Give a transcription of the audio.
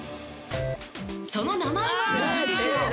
その名前はなんでしょう？